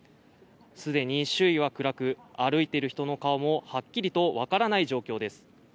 既に周囲は暗く、歩いている人の顔もはっきり分からない状況です。